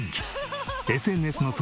ＳＮＳの